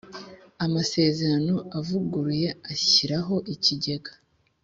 Amasezerano avuguruye ashyiraho Ikigega